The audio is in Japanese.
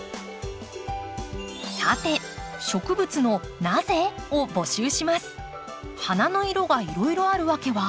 さて植物の「なぜ？」を募集します。